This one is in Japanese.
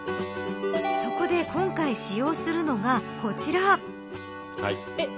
そこで今回使用するのがこちら。